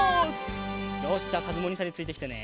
よしじゃあかずむおにいさんについてきてね。